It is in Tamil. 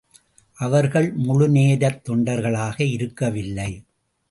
அவர்கள் முழுநேரத் தொண்டர்களாக இருக்கவில்லை.